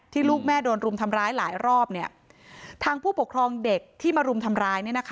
ที่ลูกแม่โดนรุมทำร้ายหลายรอบเนี้ยทางผู้ปกครองเด็กที่มารุมทำร้ายเนี้ยนะคะ